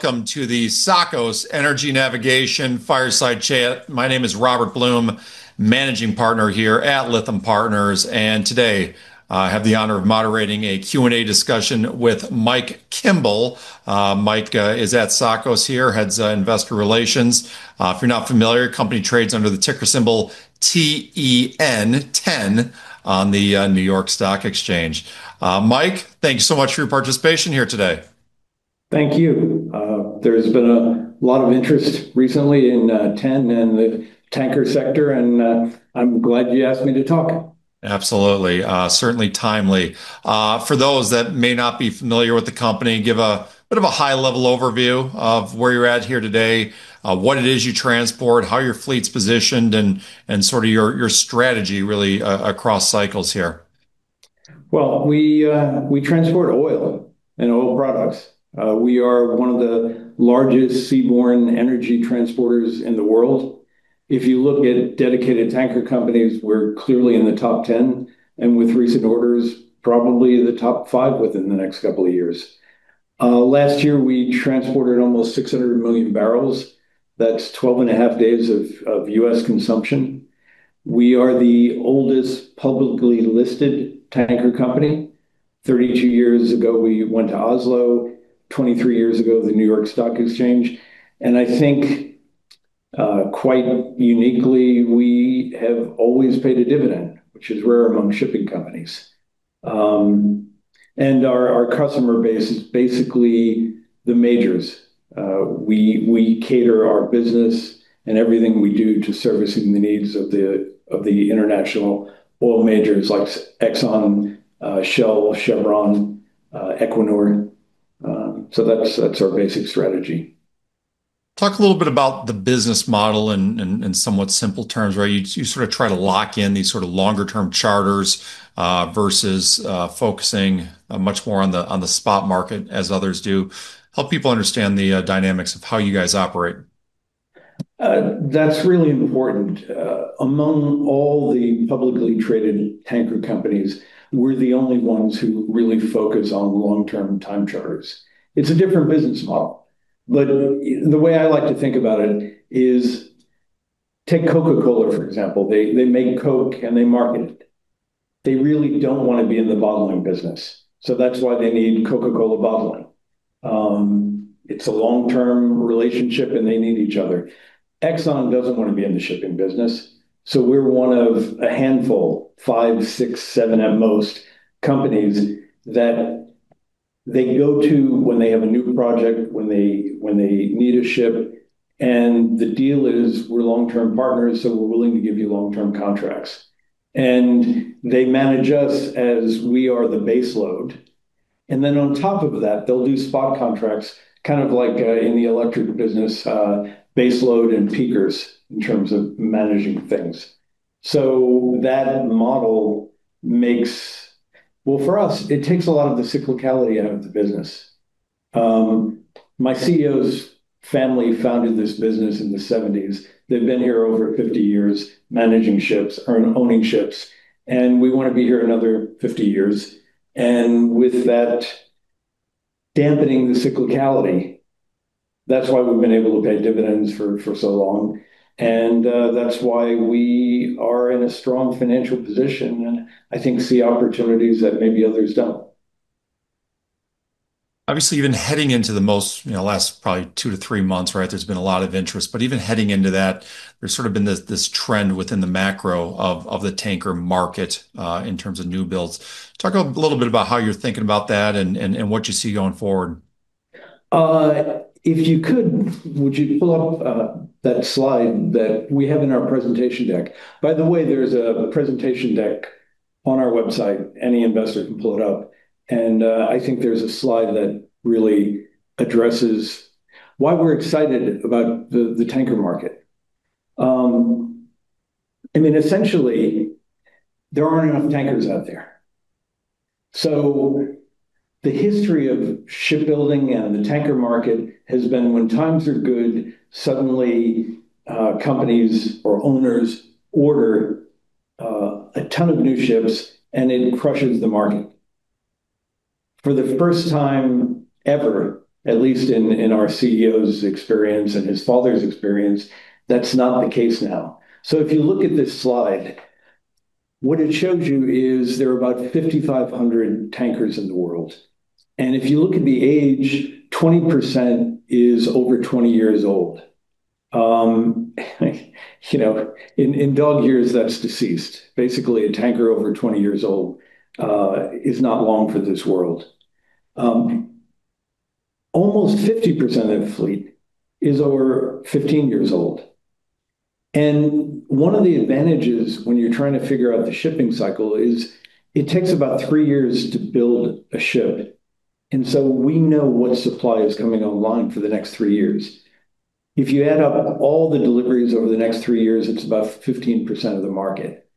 Welcome to the Tsakos Energy Navigation Fireside Chat. My name is Robert Blum, Managing Partner here at Lytham Partners, and today I have the honor of moderating a Q&A discussion with Mike Kimble. Mike is at Tsakos here, heads Investor Relations. If you're not familiar, company trades under the ticker symbol TEN on the New York Stock Exchange. Mike, thank you so much for your participation here today. Thank you. There's been a lot of interest recently in TEN and the tanker sector, and I'm glad you asked me to talk. Absolutely. Certainly timely. For those that may not be familiar with the company, give a bit of a high-level overview of where you're at here today, what it is you transport, how your fleet's positioned, and sort of your strategy really across cycles here. Well, we transport oil and oil products. We are one of the largest seaborne energy transporters in the world. If you look at dedicated tanker companies, we're clearly in the top 10, and with recent orders, probably the top five within the next couple of years. Last year, we transported almost 600 million barrels. That's 12.5 days of U.S. consumption. We are the oldest publicly listed tanker company. 32 years ago, we went to Oslo. 23 years ago, the New York Stock Exchange. I think, quite uniquely, we have always paid a dividend, which is rare among shipping companies. Our customer base is basically the majors. We cater our business and everything we do to servicing the needs of the international oil majors like Exxon, Shell, Chevron, Equinor. That's our basic strategy. Talk a little bit about the business model in somewhat simple terms, right? You sort of try to lock in these sort of longer-term charters versus focusing much more on the spot market as others do. Help people understand the dynamics of how you guys operate. That's really important. Among all the publicly traded tanker companies, we're the only ones who really focus on long-term time charters. It's a different business model. Like, the way I like to think about it is take Coca-Cola, for example. They make Coke, and they market it. They really don't wanna be in the bottling business, so that's why they need Coca-Cola Bottling. It's a long-term relationship, and they need each other. Exxon doesn't wanna be in the shipping business, so we're one of a handful, five, six, seven at most, companies that they go to when they have a new project, when they need a ship, and the deal is we're long-term partners, so we're willing to give you long-term contracts. They manage us as we are the base load. On top of that, they'll do spot contracts, kind of like, in the electric business, base load and peakers in terms of managing things. Well, for us, it takes a lot of the cyclicality out of the business. My CEO's family founded this business in the 1970s. They've been here over 50 years managing ships or owning ships, and we wanna be here another 50 years. With that, dampening the cyclicality, that's why we've been able to pay dividends for so long. That's why we are in a strong financial position, and I think see opportunities that maybe others don't. Obviously, even heading into, you know, last probably two to three months, right, there's been a lot of interest. Even heading into that, there's sort of been this trend within the macro of the tanker market in terms of new builds. Talk a little bit about how you're thinking about that and what you see going forward. If you could, would you pull up that slide that we have in our presentation deck? By the way, there's a presentation deck on our website. Any investor can pull it up. I think there's a slide that really addresses why we're excited about the tanker market. I mean, essentially, there aren't enough tankers out there. The history of shipbuilding and the tanker market has been when times are good, suddenly companies or owners order a ton of new ships, and it crushes the market. For the first time ever, at least in our CEO's experience and his father's experience, that's not the case now. If you look at this slide, what it shows you is there are about 5,500 tankers in the world. If you look at the age, 20% is over 20 years old. In dog years, that's deceased. Basically, a tanker over 20 years old is not long for this world. Almost 50% of the fleet is over 15 years old. One of the advantages when you're trying to figure out the shipping cycle is it takes about three years to build a ship. We know what supply is coming online for the next three years. If you add up all the deliveries over the next three years, it's about 15% of the market.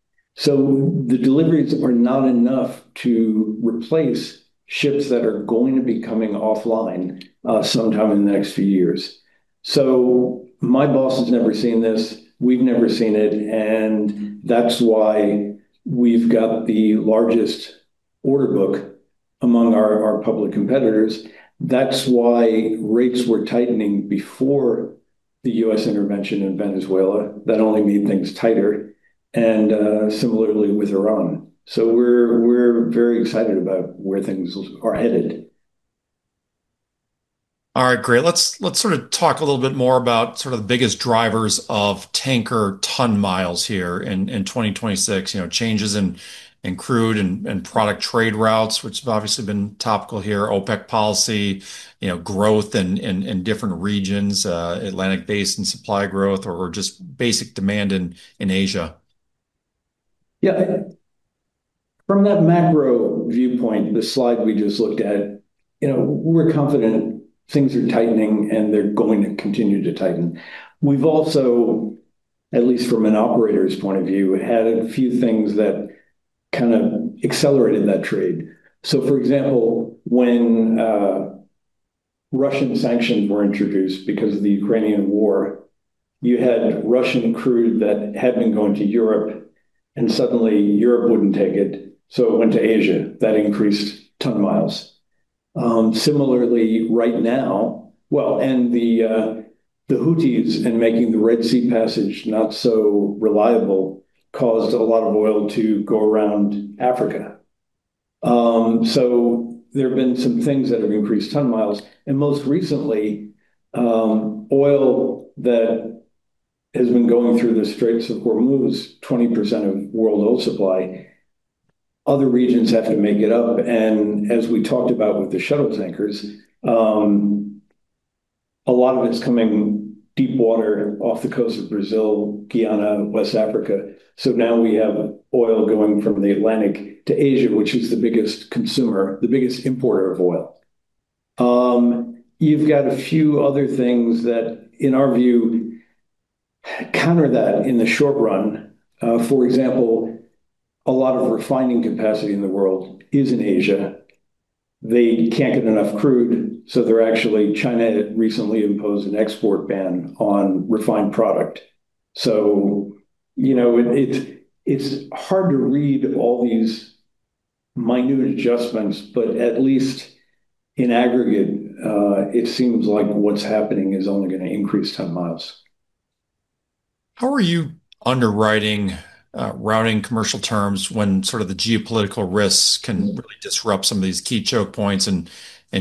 The deliveries are not enough to replace ships that are going to be coming offline sometime in the next few years. My boss has never seen this. We've never seen it, and that's why we've got the largest order book among our public competitors. That's why rates were tightening before the U.S. intervention in Venezuela. That only made things tighter, and similarly with Iran. We're very excited about where things are headed. All right, great. Let's sort of talk a little bit more about sort of the biggest drivers of tanker ton-miles here in 2026. You know, changes in crude and product trade routes, which have obviously been topical here, OPEC policy, you know, growth in different regions, Atlantic basin supply growth or just basic demand in Asia. Yeah. From that macro viewpoint, the slide we just looked at, you know, we're confident things are tightening, and they're going to continue to tighten. We've also, at least from an operator's point of view, had a few things that kind of accelerated that trade. For example, when Russian sanctions were introduced because of the Ukrainian war, you had Russian crude that had been going to Europe, and suddenly Europe wouldn't take it, so it went to Asia. That increased ton-miles. Similarly right now, the Houthis in making the Red Sea passage not so reliable caused a lot of oil to go around Africa. There have been some things that have increased ton-miles. Most recently, oil that has been going through the Strait of Hormuz, 20% of world oil supply, other regions have to make it up. As we talked about with the shuttle tankers, a lot of it's coming from deepwater off the coast of Brazil, Guyana, West Africa. Now we have oil going from the Atlantic to Asia, which is the biggest consumer, the biggest importer of oil. You've got a few other things that, in our view, counter that in the short run. For example, a lot of refining capacity in the world is in Asia. They can't get enough crude, so China had recently imposed an export ban on refined product. You know, it's hard to read all these minute adjustments, but at least in aggregate, it seems like what's happening is only gonna increase ton-miles. How are you underwriting, routing commercial terms when sort of the geopolitical risks can really disrupt some of these key choke points and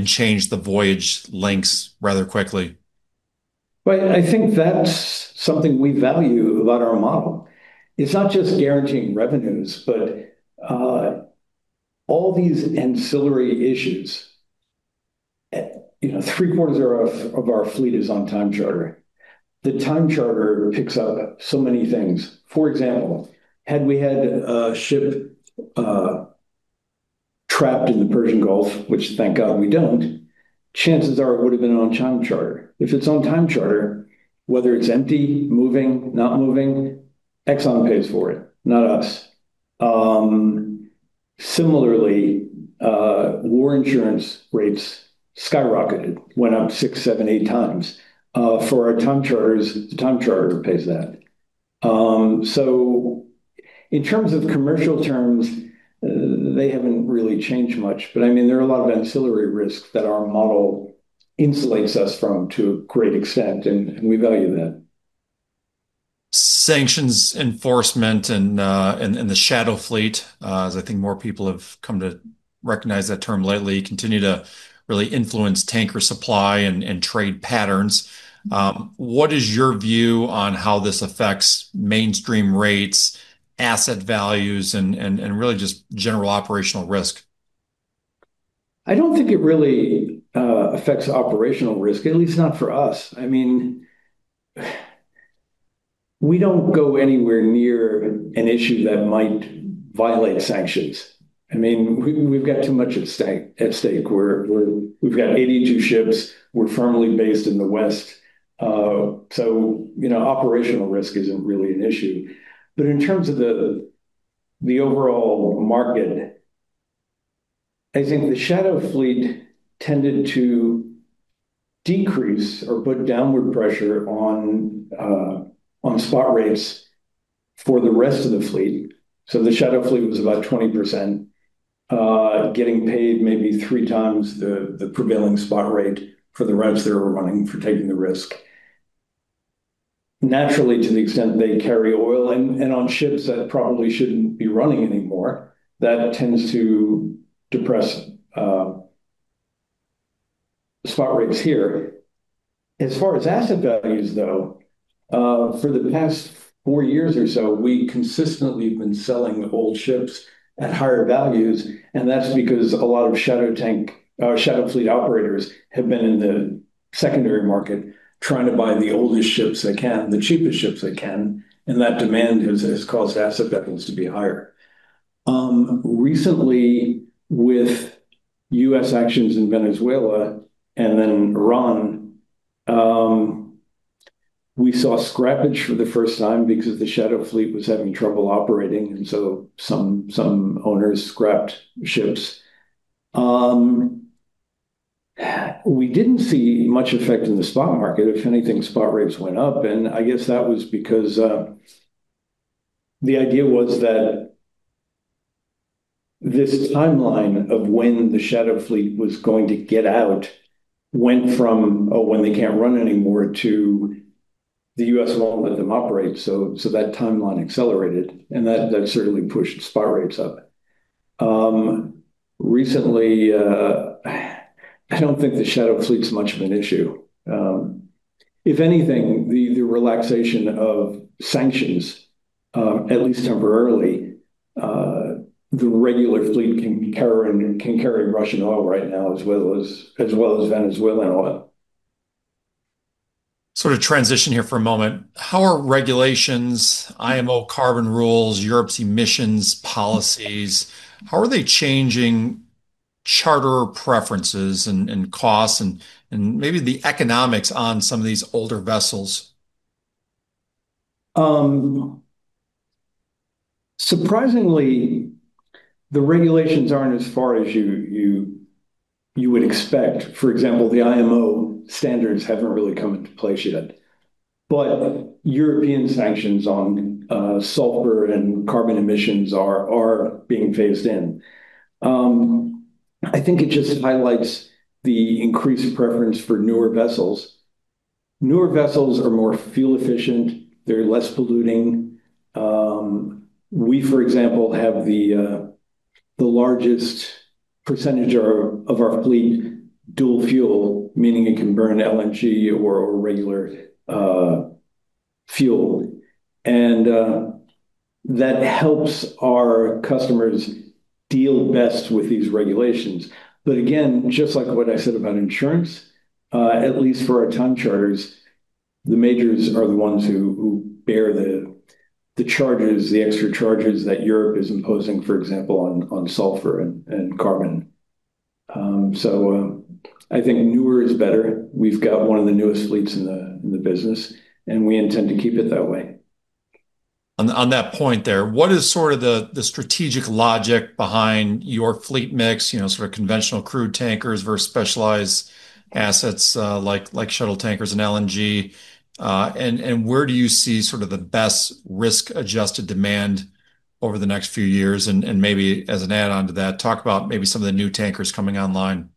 change the voyage lengths rather quickly? Well, I think that's something we value about our model. It's not just guaranteeing revenues, but all these ancillary issues. You know, three-quarters of our fleet is on time charter. The time charter picks up so many things. For example, had we had a ship trapped in the Persian Gulf, which thank God we don't, chances are it would have been on time charter. If it's on time charter, whether it's empty, moving, not moving, Exxon pays for it, not us. Similarly, war insurance rates skyrocketed, went up six, seven, eight times. For our time charters, the time charter pays that. In terms of commercial terms, they haven't really changed much. I mean, there are a lot of ancillary risks that our model insulates us from to a great extent, and we value that. Sanctions enforcement and the shadow fleet, as I think more people have come to recognize that term lately, continue to really influence tanker supply and trade patterns. What is your view on how this affects mainstream rates, asset values, and really just general operational risk? I don't think it really affects operational risk, at least not for us. I mean, we don't go anywhere near an issue that might violate sanctions. I mean, we've got too much at stake. We've got 82 ships. We're firmly based in the West. You know, operational risk isn't really an issue. In terms of the overall market, I think the shadow fleet tended to decrease or put downward pressure on spot rates for the rest of the fleet. The shadow fleet was about 20%, getting paid maybe three times the prevailing spot rate for the routes they were running for taking the risk. Naturally, to the extent they carry oil and on ships that probably shouldn't be running anymore, that tends to depress spot rates here. As far as asset values, though, for the past four years or so, we consistently have been selling old ships at higher values, and that's because a lot of shadow fleet operators have been in the secondary market trying to buy the oldest ships they can, the cheapest ships they can, and that demand has caused asset values to be higher. Recently with U.S. actions in Venezuela and then Iran, we saw scrappage for the first time because the shadow fleet was having trouble operating, and so some owners scrapped ships. We didn't see much effect in the spot market. If anything, spot rates went up, and I guess that was because the idea was that this timeline of when the shadow fleet was going to get out went from when they can't run anymore to the U.S. won't let them operate, so that timeline accelerated, and that certainly pushed spot rates up. Recently, I don't think the shadow fleet's much of an issue. If anything, the relaxation of sanctions, at least temporarily, the regular fleet can carry Russian oil right now as well as Venezuelan oil. Sort of transition here for a moment. How are regulations, IMO carbon rules, Europe's emissions policies, how are they changing charter preferences and costs and maybe the economics on some of these older vessels? Surprisingly, the regulations aren't as far as you would expect. For example, the IMO standards haven't really come into play yet. European sanctions on sulfur and carbon emissions are being phased in. I think it just highlights the increased preference for newer vessels. Newer vessels are more fuel efficient. They're less polluting. We, for example, have the largest percentage of our fleet dual fuel, meaning it can burn LNG or regular fuel. That helps our customers deal best with these regulations. Again, just like what I said about insurance, at least for our time charters, the majors are the ones who bear the charges, the extra charges that Europe is imposing, for example, on sulfur and carbon. I think newer is better. We've got one of the newest fleets in the business, and we intend to keep it that way. On that point there, what is sort of the strategic logic behind your fleet mix, you know, sort of conventional crude tankers versus specialized assets, like shuttle tankers and LNG? And where do you see sort of the best risk-adjusted demand over the next few years? And maybe as an add-on to that, talk about maybe some of the new tankers coming online.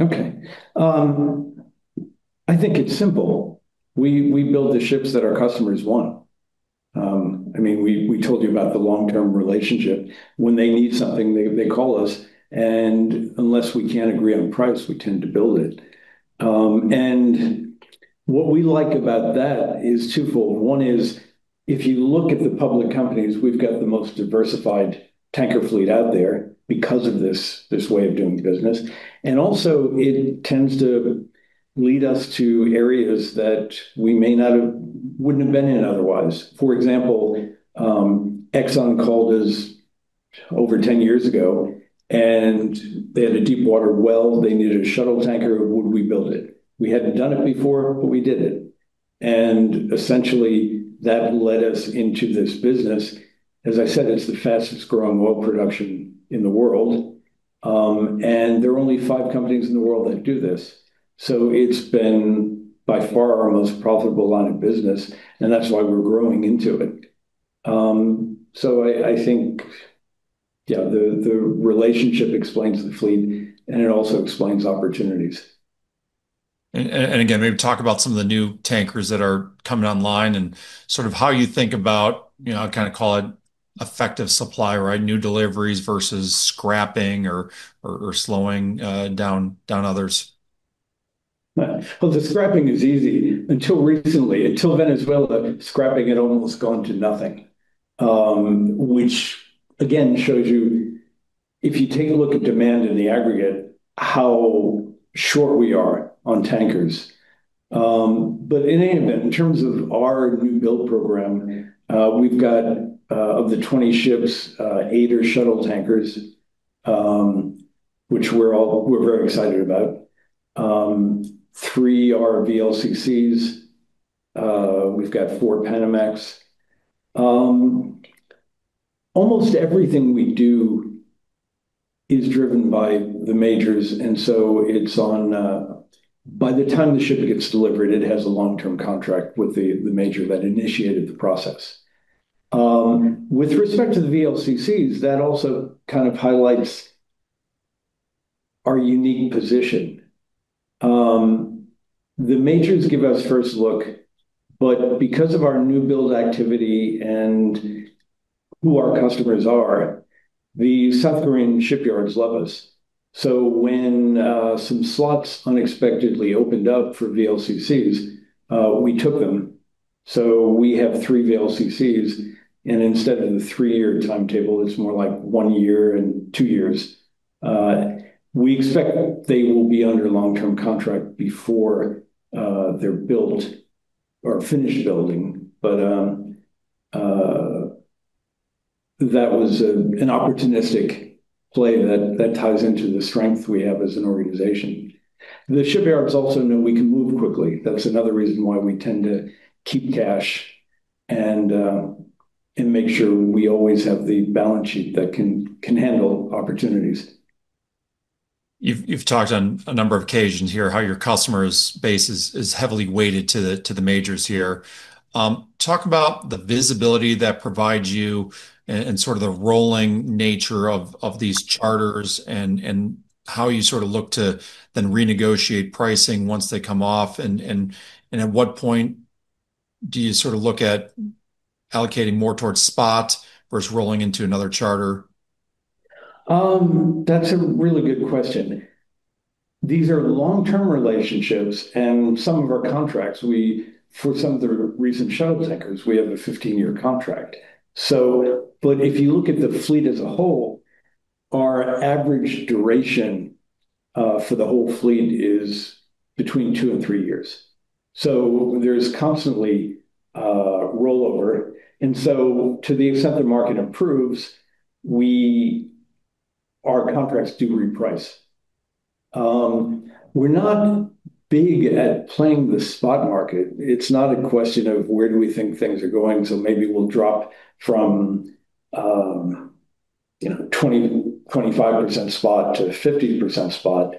Okay. I think it's simple. We build the ships that our customers want. I mean, we told you about the long-term relationship. When they need something, they call us, and unless we can't agree on price, we tend to build it. What we like about that is twofold. One is, if you look at the public companies, we've got the most diversified tanker fleet out there because of this way of doing business. Also, it tends to lead us to areas that we wouldn't have been in otherwise. For example, Exxon called us over 10 years ago, and they had a deep water well. They needed a shuttle tanker. Would we build it? We hadn't done it before, but we did it. Essentially, that led us into this business. As I said, it's the fastest-growing oil production in the world. There are only five companies in the world that do this. It's been by far our most profitable line of business, and that's why we're growing into it. I think, yeah, the relationship explains the fleet, and it also explains opportunities. Again, maybe talk about some of the new tankers that are coming online and sort of how you think about, you know, I kinda call it effective supply, right? New deliveries versus scrapping or slowing down others. Well, the scrapping is easy. Until recently, until Venezuela, scrapping had almost gone to nothing, which again shows you if you take a look at demand in the aggregate, how short we are on tankers. In any event, in terms of our new build program, we've got of the 20 ships, eight are shuttle tankers, which we're very excited about. Three are VLCCs. We've got four Panamax. Almost everything we do is driven by the majors, and so it's on by the time the ship gets delivered, it has a long-term contract with the major that initiated the process. With respect to the VLCCs, that also kind of highlights our unique position. The majors give us first look, but because of our new build activity and who our customers are, the South Korean shipyards love us. When some slots unexpectedly opened up for VLCCs, we took them. We have three VLCCs, and instead of the three-year timetable, it's more like one year and two years. We expect they will be under long-term contract before they're built or finished building. That was an opportunistic play that ties into the strength we have as an organization. The shipyards also know we can move quickly. That's another reason why we tend to keep cash and make sure we always have the balance sheet that can handle opportunities. You've talked on a number of occasions here how your customers' base is heavily weighted to the majors here. Talk about the visibility that provides you and sort of the rolling nature of these charters and at what point do you sort of look at allocating more towards spot versus rolling into another charter? That's a really good question. These are long-term relationships, and some of our contracts, for some of the recent shuttle tankers, we have a 15-year contract. But if you look at the fleet as a whole, our average duration for the whole fleet is between two and three years. There's constantly rollover. To the extent the market improves, our contracts do reprice. We're not big at playing the spot market. It's not a question of where do we think things are going, so maybe we'll drop from, you know, 20%-25% spot to 50% spot.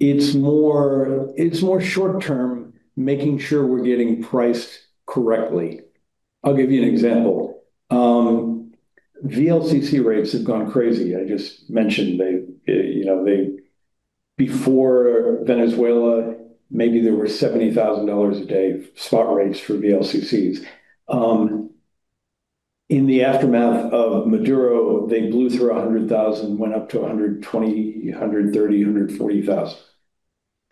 It's more short-term, making sure we're getting priced correctly. I'll give you an example. VLCC rates have gone crazy. I just mentioned they. You know, before Venezuela, maybe there were $70,000 a day spot rates for VLCCs. In the aftermath of Maduro, they blew through $100,000, went up to $120,000, $130,000,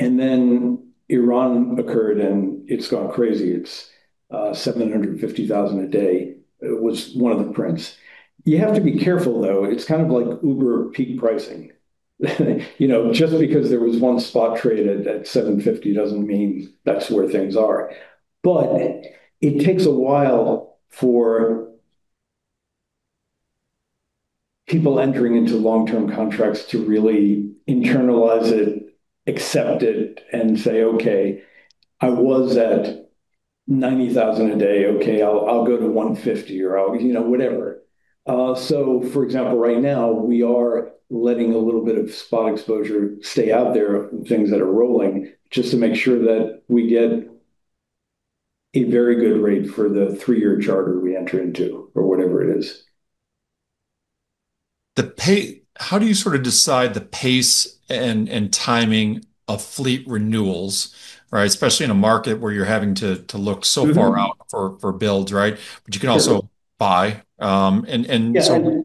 $140,000. Iran occurred, and it's gone crazy. It's $750,000 a day was one of the prints. You have to be careful though. It's kind of like Uber peak pricing. You know, just because there was one spot traded at $750,000 doesn't mean that's where things are. It takes a while for people entering into long-term contracts to really internalize it, accept it and say, "Okay, I was at $90,000 a day. Okay, I'll go to $150,000," or I'll, you know, whatever. For example, right now we are letting a little bit of spot exposure stay out there, things that are rolling, just to make sure that we get a very good rate for the three-year charter we enter into or whatever it is. How do you sort of decide the pace and timing of fleet renewals, right? Especially in a market where you're having to look so far- Mm-hmm. You can also buy, and so- Yeah.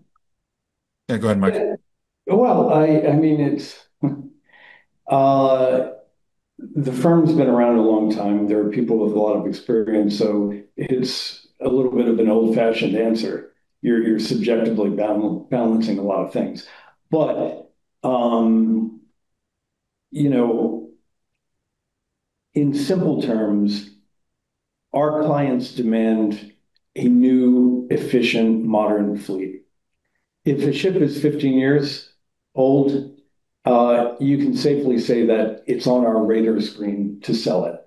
Yeah, go ahead, Mike. Well, I mean, it's the firm's been around a long time. There are people with a lot of experience, so it's a little bit of an old-fashioned answer. You're subjectively balancing a lot of things. You know, in simple terms, our clients demand a new, efficient, modern fleet. If a ship is 15 years old, you can safely say that it's on our radar screen to sell it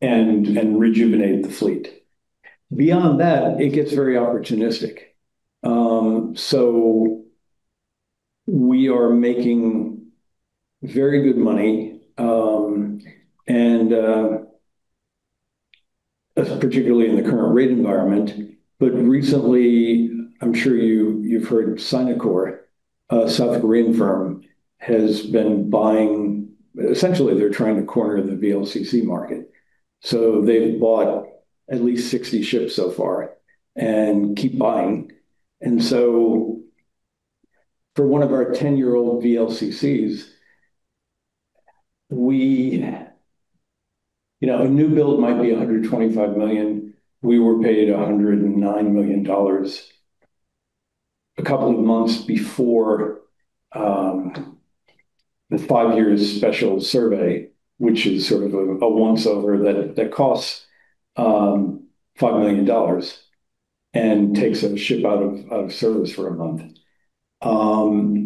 and rejuvenate the fleet. Beyond that, it gets very opportunistic. We are making very good money and particularly in the current rate environment. Recently, I'm sure you've heard of Sinokor, a South Korean firm, has been buying. Essentially, they're trying to corner the VLCC market. They've bought at least 60 ships so far and keep buying. For one of our 10-year-old VLCCs, we, you know, a new build might be $125 million. We were paid $109 million a couple of months before the five-year special survey, which is sort of a once-over that costs $5 million and takes a ship out of service for a month.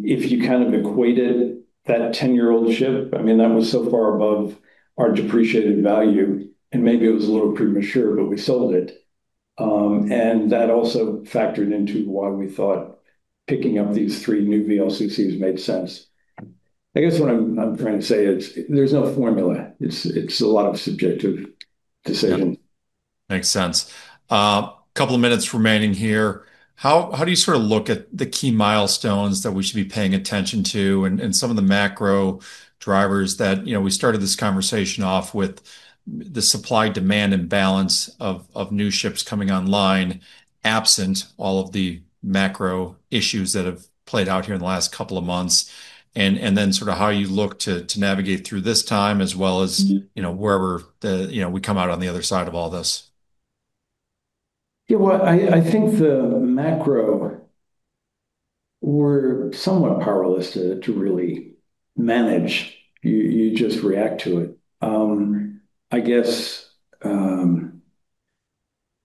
If you kind of equated that 10-year-old ship, I mean, that was so far above our depreciated value, and maybe it was a little premature, but we sold it. And that also factored into why we thought picking up these three new VLCCs made sense. I guess what I'm trying to say is there's no formula. It's a lot of subjective decision. Makes sense. Couple of minutes remaining here. How do you sort of look at the key milestones that we should be paying attention to and some of the macro drivers that, you know, we started this conversation off with the supply, demand and balance of new ships coming online, absent all of the macro issues that have played out here in the last couple of months, and then sort of how you look to navigate through this time as well as? Mm-hmm. You know, wherever the, you know, we come out on the other side of all this. Yeah, well, I think the macro, we're somewhat powerless to really manage. You just react to it. I guess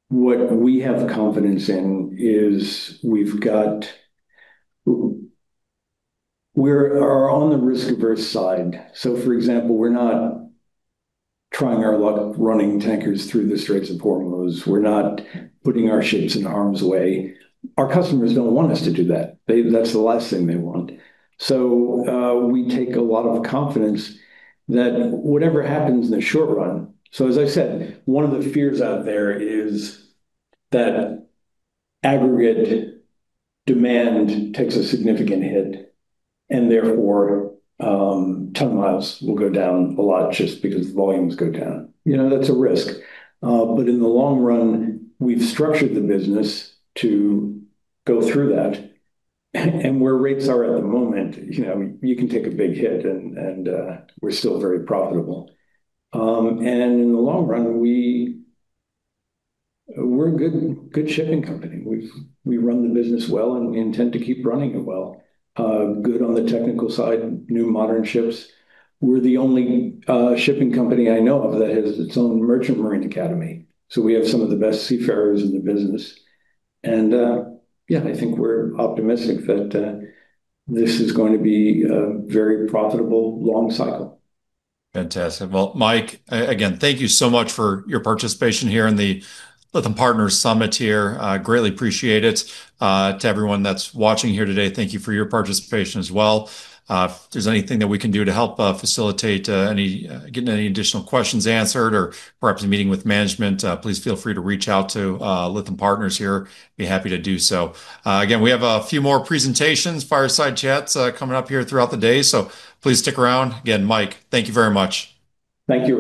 what we have confidence in is we're on the risk-averse side. For example, we're not trying our luck running tankers through the Strait of Hormuz. We're not putting our ships in harm's way. Our customers don't want us to do that. That's the last thing they want. We take a lot of confidence that whatever happens in the short run. As I said, one of the fears out there is that aggregate demand takes a significant hit and therefore ton-miles will go down a lot just because the volumes go down. You know, that's a risk. In the long run, we've structured the business to go through that. Where rates are at the moment, you know, you can take a big hit and we're still very profitable. In the long run, we're a good shipping company. We run the business well, and we intend to keep running it well. Good on the technical side, new modern ships. We're the only shipping company I know of that has its own merchant marine academy. So we have some of the best seafarers in the business. Yeah, I think we're optimistic that this is going to be a very profitable long cycle. Fantastic. Well, Mike, again, thank you so much for your participation here in the Lytham Partners Summit here. Greatly appreciate it. To everyone that's watching here today, thank you for your participation as well. If there's anything that we can do to help facilitate any getting any additional questions answered or perhaps a meeting with management, please feel free to reach out to Lytham Partners here. Be happy to do so. Again, we have a few more presentations, fireside chats, coming up here throughout the day, so please stick around. Again, Mike, thank you very much. Thank you.